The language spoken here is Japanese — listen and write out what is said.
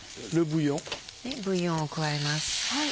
ブイヨンを加えます。